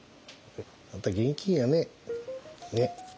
あんた現金やね。ね。